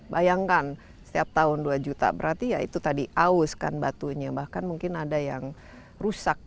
bayangkan setiap tahun dua juta berarti ya itu tadi aus kan batunya bahkan mungkin ada yang rusak